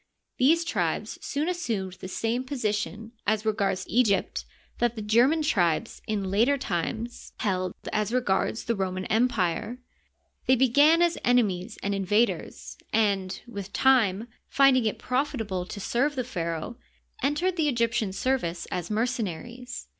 These tribes soon assumed the same position as regards Egypt that the German tribes in later times held Digitized byCjOOQlC 86 HISTORY OF EGYPT. as regards the Roman Empire. Thejr began as enemies and invaders, and with time, finding it profitable to serve the pharaoh, entered the Egyptian service as mercenaries.